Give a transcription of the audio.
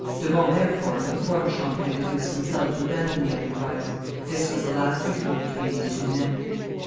De Monts, therefore, informed Champlain that he was compelled to abandon the enterprise. This was the last interview between these two men.